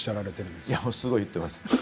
すごい言ってます。